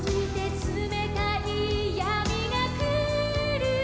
「つめたいやみがくる」